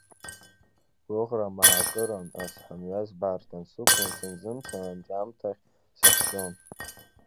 Гәыӷра маакыран ацҳамҩа збарҭан, сықәлан санзымца, анҵәамҭагь сахьӡом.